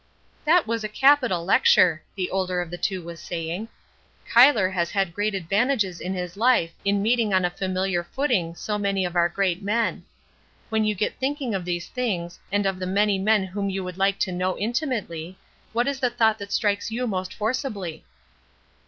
"That was a capital lecture," the elder of the two was saying. "Cuyler has had great advantages in his life in meeting on a familiar footing so many of our great men. When you get thinking of these things, and of the many men whom you would like to know intimately, what is the thought that strikes you most forcibly?"